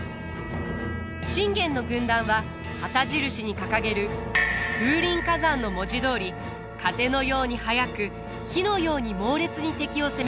信玄の軍団は旗印に掲げる「風林火山」の文字どおり風のように速く火のように猛烈に敵を攻めたてます。